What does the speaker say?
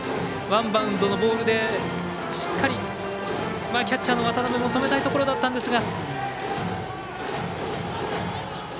ワンバウンドのボールでしっかりキャッチャーの渡辺も止めたいところだったんですが。